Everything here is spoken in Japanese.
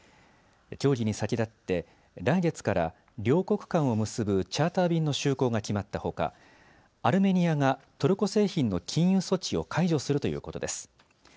協議に先立って来月から両国間を結ぶチャーター便の就航が決まったほかアルメニアがトルコ製品の禁輸措置を解除するということです。